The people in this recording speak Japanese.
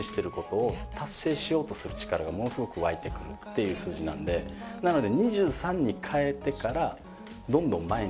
ていう数字なんでなので。